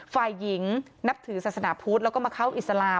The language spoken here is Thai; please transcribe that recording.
ฝ่ายหญิงนับถือศาสนาพุทธแล้วก็มาเข้าอิสลาม